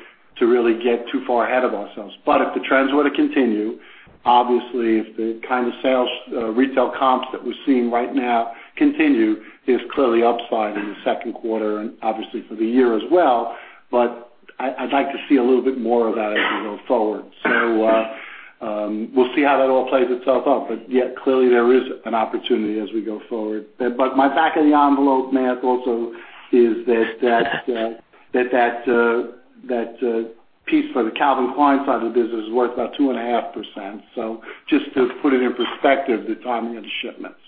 get too far ahead of ourselves. If the trends were to continue, obviously, if the kind of sales retail comps that we're seeing right now continue, there's clearly upside in the second quarter and obviously for the year as well, but I'd like to see a little bit more of that as we go forward. We'll see how that all plays itself out. Yet clearly there is an opportunity as we go forward. My back-of-the-envelope math also is that piece for the Calvin Klein side of the business is worth about 2.5%. Just to put it in perspective, the timing of the shipments.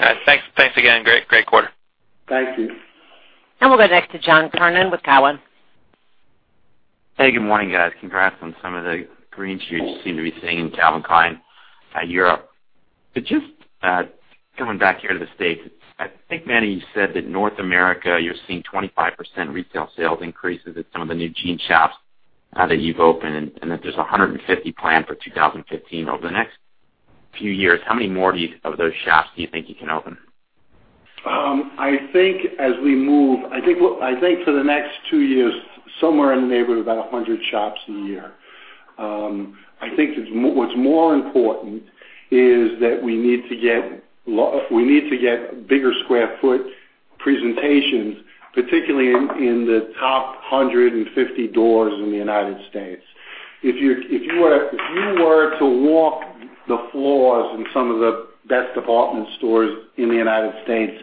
All right. Thanks again. Great quarter. Thank you. We'll go next to John Kernan with Cowen. Good morning, guys. Congrats on some of the greens you seem to be seeing in Calvin Klein Europe. Just coming back here to the States, I think, Manny, you said that North America, you're seeing 25% retail sales increases at some of the new jean shops that you've opened, and that there's 150 planned for 2015. Over the next few years, how many more of those shops do you think you can open? I think for the next two years, somewhere in the neighborhood of about 100 shops a year. I think what's more important is that we need to get bigger square foot presentations, particularly in the top 150 doors in the U.S. If you were to walk the floors in some of the best department stores in the U.S.,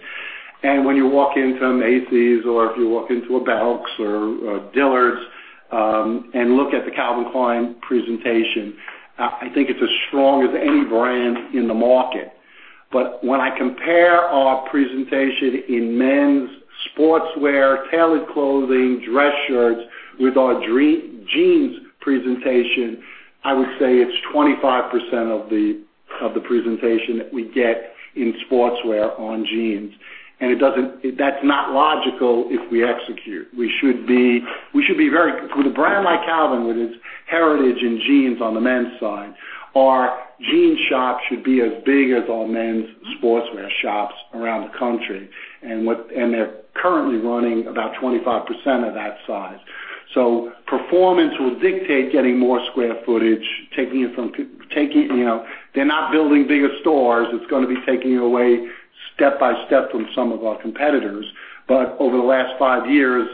when you walk into a Macy's, or if you walk into a Belk or a Dillard's, and look at the Calvin Klein presentation, I think it's as strong as any brand in the market. When I compare our presentation in men's sportswear, tailored clothing, dress shirts with our jeans presentation, I would say it's 25% of the presentation that we get in sportswear on jeans. That's not logical if we execute. With a brand like Calvin, with its heritage in jeans on the men's side, our jean shops should be as big as our men's sportswear shops around the country. They're currently running about 25% of that size. Performance will dictate getting more square footage. They're not building bigger stores. It's gonna be taking away step by step from some of our competitors. Over the last five years,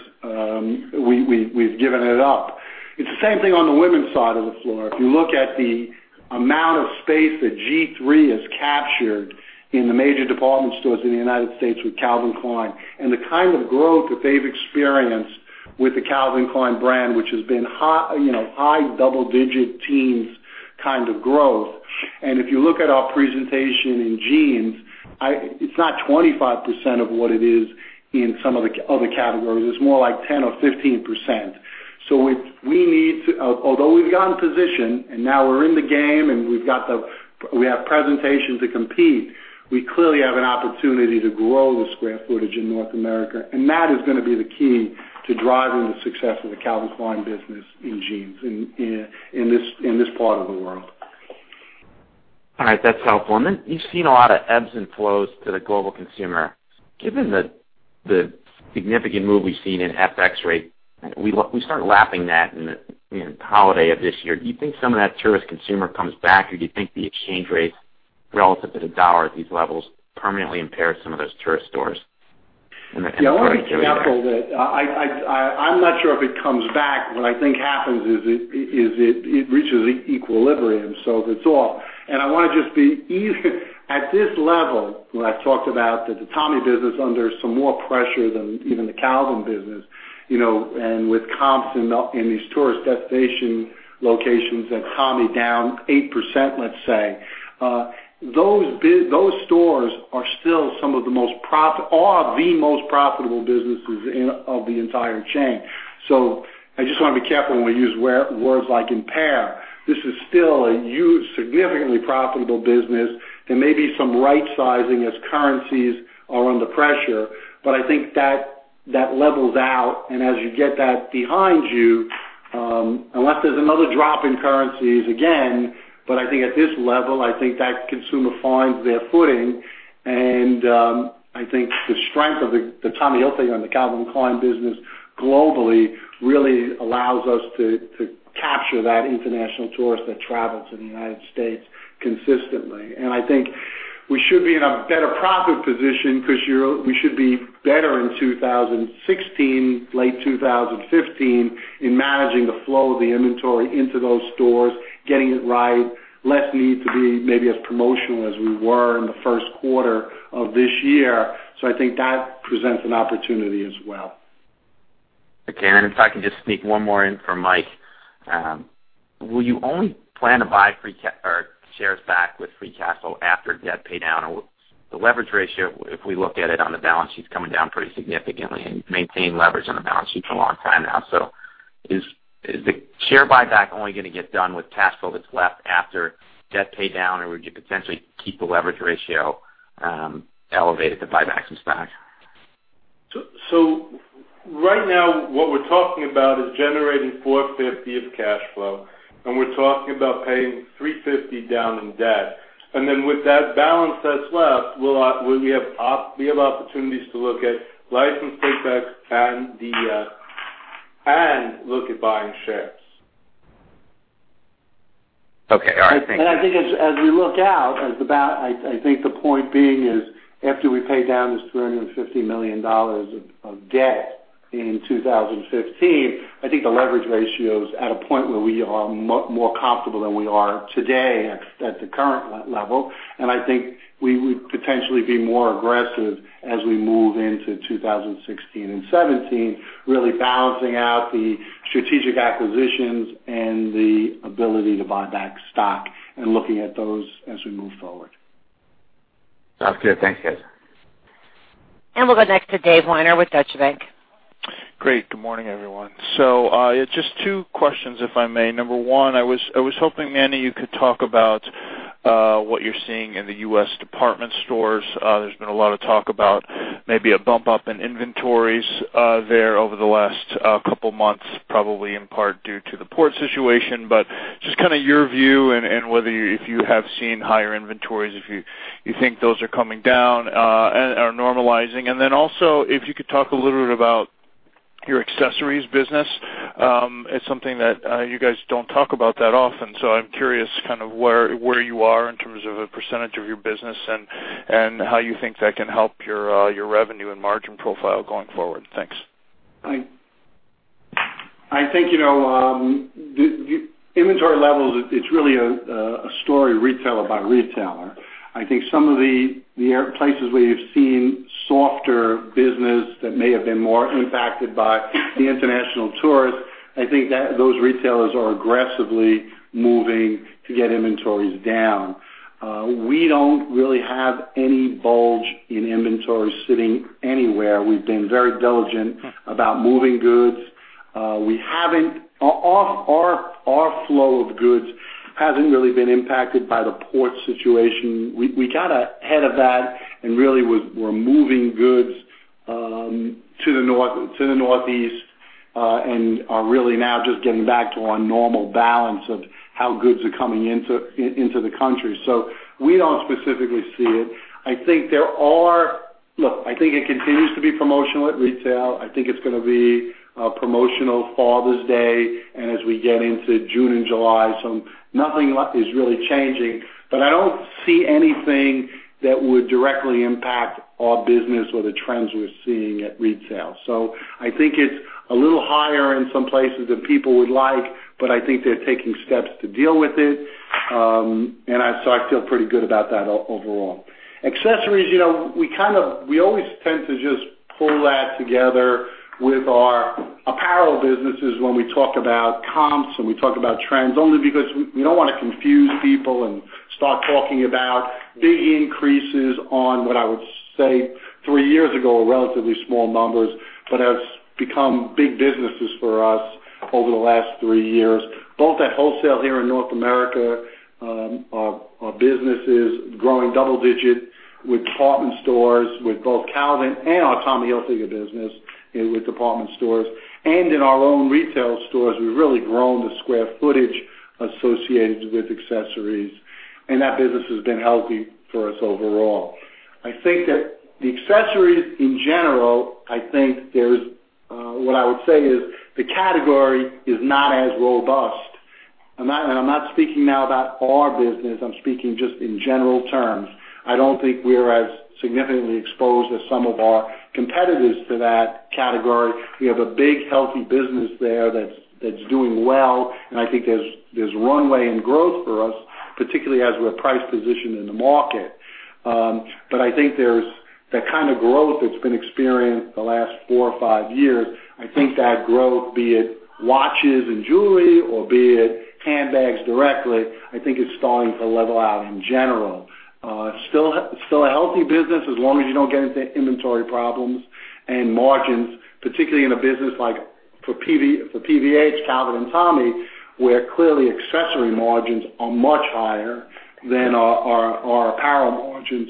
we've given it up. It's the same thing on the women's side of the floor. If you look at the amount of space that G-III has captured in the major department stores in the U.S. with Calvin Klein, and the kind of growth that they've experienced with the Calvin Klein brand, which has been high double-digit teens kind of growth. If you look at our presentation in jeans, it's not 25% of what it is in some of the other categories. It's more like 10% or 15%. Although we've gotten positioned, now we're in the game and we have presentations to compete, we clearly have an opportunity to grow the square footage in North America, and that is gonna be the key to driving the success of the Calvin Klein business in jeans in this part of the world. All right. That's helpful. Then you've seen a lot of ebbs and flows to the global consumer. Given the significant move we've seen in FX rate, we start lapping that in the holiday of this year. Do you think some of that tourist consumer comes back, or do you think the exchange rates relative to the dollar at these levels permanently impair some of those tourist stores in the current period? I'm not sure if it comes back. What I think happens is it reaches equilibrium. If it's off, and I want to just be easy at this level, when I've talked about that the Tommy business under some more pressure than even the Calvin business, and with comps in these tourist destination locations and Tommy down 8%, let's say, those stores are the most profitable businesses of the entire chain. I just want to be careful when we use words like impair. This is still a huge, significantly profitable business and maybe some right sizing as currencies are under pressure. I think that levels out and as you get that behind you, unless there's another drop in currencies again. I think at this level, I think that consumer finds their footing. I think the strength of the Tommy Hilfiger and the Calvin Klein business globally really allows us to capture that international tourist that travels in the U.S. consistently. I think we should be in a better profit position because we should be better in 2016, late 2015 in managing the flow of the inventory into those stores, getting it right. Less need to be maybe as promotional as we were in the first quarter of this year. I think that presents an opportunity as well. Okay. If I can just sneak one more in for Mike. Will you only plan to buy shares back with free cash flow after debt pay down? The leverage ratio, if we look at it on the balance sheet's coming down pretty significantly and maintain leverage on the balance sheet for a long time now. Is the share buyback only gonna get done with cash flow that's left after debt pay down, or would you potentially keep the leverage ratio elevated to buy back some stock? Right now what we're talking about is generating $450 of cash flow, we're talking about paying $350 down in debt. With that balance that's left, we have opportunities to look at license take backs and look at buying shares. Okay. All right. Thank you. I think as we look out, I think the point being is after we pay down this $350 million of debt in 2015, I think the leverage ratio is at a point where we are more comfortable than we are today at the current level. I think we would potentially be more aggressive as we move into 2016 and 2017, really balancing out the strategic acquisitions and the ability to buy back stock and looking at those as we move forward. Sounds good. Thanks, guys. We'll go next to Dave Weiner with Deutsche Bank. Great. Good morning, everyone. Just two questions, if I may. Number one, I was hoping, Manny, you could talk about what you're seeing in the U.S. department stores. There's been a lot of talk about maybe a bump up in inventories there over the last couple of months, probably in part due to the port situation. Just kind of your view and whether if you have seen higher inventories, if you think those are coming down or normalizing. Then also if you could talk a little bit about your accessories business. It's something that you guys don't talk about that often. I'm curious where you are in terms of a % of your business and how you think that can help your revenue and margin profile going forward. Thanks. I think, the inventory levels, it's really a story retailer by retailer. I think some of the places where you've seen softer business that may have been more impacted by the international tourist, I think that those retailers are aggressively moving to get inventories down. We don't really have any bulge in inventory sitting anywhere. We've been very diligent about moving goods. Our flow of goods hasn't really been impacted by the port situation. We got ahead of that and really were moving goods to the Northeast, and are really now just getting back to our normal balance of how goods are coming into the country. We don't specifically see it. Look, I think it continues to be promotional at retail. I think it's going to be a promotional Father's Day and as we get into June and July. Nothing a lot is really changing. I don't see anything that would directly impact our business or the trends we're seeing at retail. I think it's a little higher in some places than people would like, but I think they're taking steps to deal with it. I feel pretty good about that overall. Accessories, we always tend to just pull that together with our apparel businesses when we talk about comps and we talk about trends, only because we don't want to confuse people and start talking about big increases on what I would say three years ago were relatively small numbers, but has become big businesses for us over the last three years. Both at wholesale here in North America, our business is growing double-digit with department stores, with both Calvin and our Tommy Hilfiger business with department stores. In our own retail stores, we've really grown the square footage associated with accessories. That business has been healthy for us overall. I think that the accessories in general, what I would say is the category is not as robust. I'm not speaking now about our business, I'm speaking just in general terms. I don't think we're as significantly exposed as some of our competitors to that category. We have a big, healthy business there that's doing well, and I think there's runway and growth for us, particularly as we're price positioned in the market. I think there's that kind of growth that's been experienced the last four or five years. I think that growth, be it watches and jewelry or be it handbags directly, I think is starting to level out in general. Still a healthy business as long as you don't get into inventory problems and margins, particularly in a business like for PVH, Calvin and Tommy, where clearly accessory margins are much higher than our apparel margins.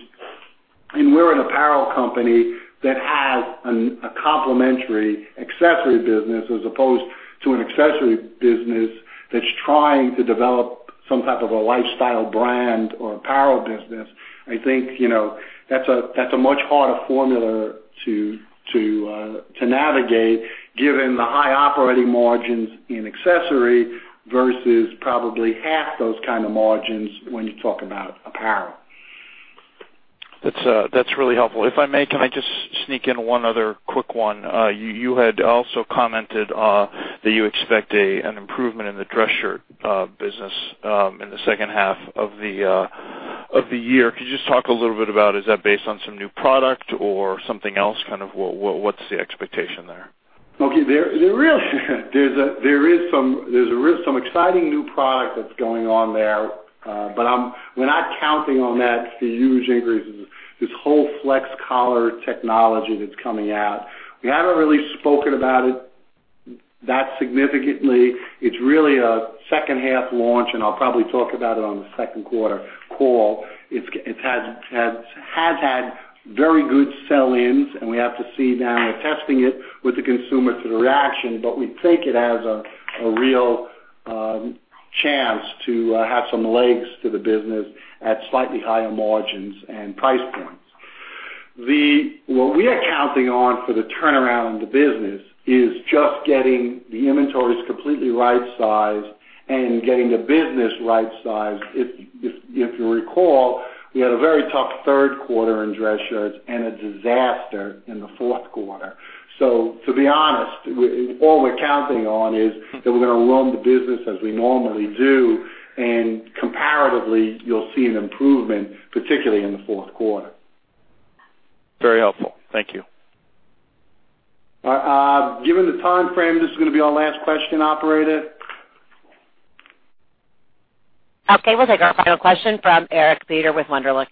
We're an apparel company that has a complementary accessory business as opposed to an accessory business that's trying to develop some type of a lifestyle brand or apparel business. I think that's a much harder formula to navigate given the high operating margins in accessory versus probably half those kind of margins when you talk about apparel. That's really helpful. If I may, can I just sneak in one other quick one? You had also commented that you expect an improvement in the dress shirt business in the second half of the year. Could you just talk a little bit about, is that based on some new product or something else? What's the expectation there? Okay. There is some exciting new product that's going on there. We're not counting on that to use this whole Flex Collar technology that's coming out. We haven't really spoken about it that significantly. It's really a second half launch, and I'll probably talk about it on the second quarter call. It has had very good sell-ins, and we have to see now. We're testing it with the consumer for the reaction, but we think it has a real chance to have some legs to the business at slightly higher margins and price points. What we are counting on for the turnaround in the business is just getting the inventories completely right-sized and getting the business right-sized. If you recall, we had a very tough third quarter in dress shirts and a disaster in the fourth quarter. To be honest, all we're counting on is that we're going to run the business as we normally do, and comparatively, you'll see an improvement, particularly in the fourth quarter. Very helpful. Thank you. Given the time frame, this is going to be our last question, operator. We'll take our final question from Eric Beder with Wunderlich.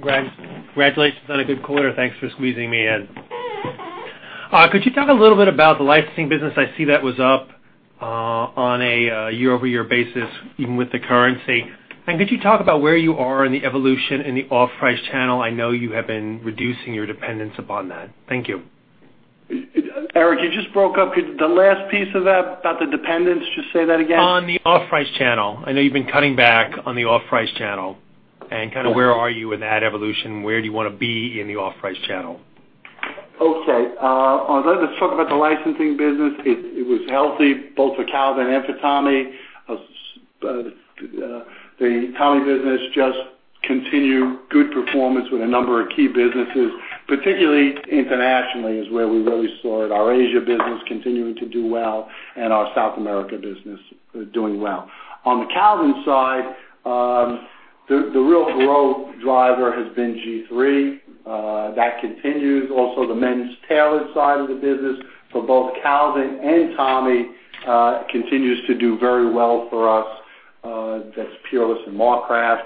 Congratulations on a good quarter. Thanks for squeezing me in. Could you talk a little bit about the licensing business? I see that was up on a year-over-year basis, even with the currency. Could you talk about where you are in the evolution in the off-price channel? I know you have been reducing your dependence upon that. Thank you. Eric, you just broke up. The last piece of that about the dependence, just say that again. On the off-price channel. I know you've been cutting back on the off-price channel. Where are you in that evolution? Where do you want to be in the off-price channel? Okay. Let's talk about the licensing business. It was healthy both for Calvin and for Tommy. The Tommy business just continued good performance with a number of key businesses, particularly internationally is where we really saw it. Our Asia business continuing to do well, and our South America business doing well. On the Calvin side, the real growth driver has been G-III. That continues. Also, the men's tailored side of the business for both Calvin and Tommy continues to do very well for us. That's Peerless and Marcraft.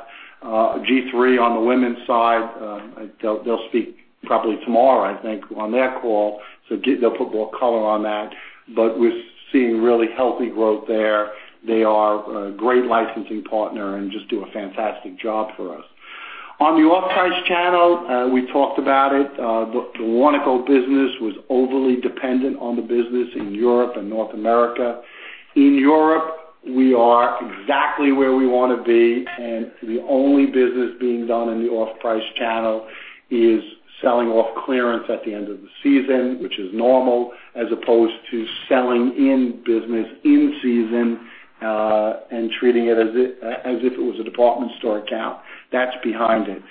G-III on the women's side, they'll speak probably tomorrow, I think, on their call, so they'll put more color on that. We're seeing really healthy growth there. They are a great licensing partner and just do a fantastic job for us. On the off-price channel, we talked about it. The Warnaco business was overly dependent on the business in Europe and North America. In Europe, we are exactly where we want to be, and the only business being done in the off-price channel is selling off clearance at the end of the season, which is normal, as opposed to selling in business in season, and treating it as if it was a department store account. That's behind it.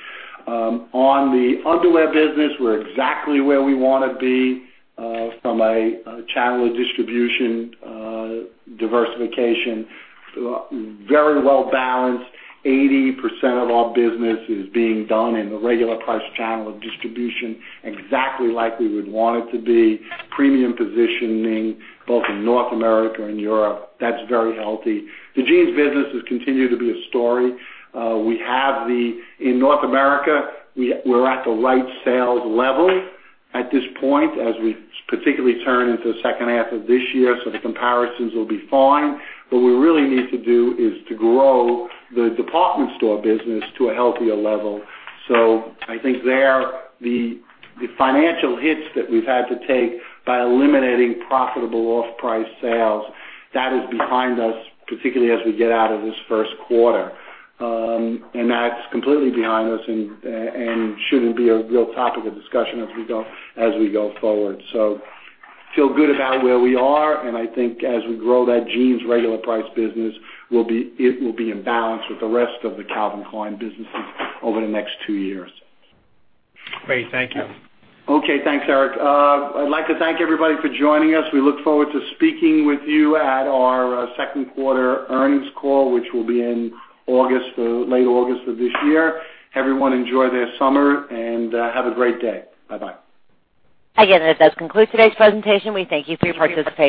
On the underwear business, we're exactly where we want to be from a channel distribution diversification. Very well-balanced. 80% of our business is being done in the regular price channel of distribution, exactly like we would want it to be. Premium positioning, both in North America and Europe. That's very healthy. The jeans business has continued to be a story. In North America, we're at the right sales level at this point, as we particularly turn into the second half of this year, so the comparisons will be fine. What we really need to do is to grow the department store business to a healthier level. I think there, the financial hits that we've had to take by eliminating profitable off-price sales, that is behind us, particularly as we get out of this first quarter. That's completely behind us and shouldn't be a real topic of discussion as we go forward. Feel good about where we are, and I think as we grow that jeans regular price business, it will be in balance with the rest of the Calvin Klein businesses over the next two years. Great. Thank you. Okay. Thanks, Eric. I'd like to thank everybody for joining us. We look forward to speaking with you at our second quarter earnings call, which will be in late August of this year. Everyone enjoy their summer, and have a great day. Bye-bye. That does conclude today's presentation. We thank you three participants